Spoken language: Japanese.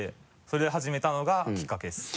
それで始めたのがきっかけです。